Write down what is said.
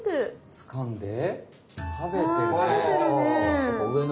つかんで食べてるね！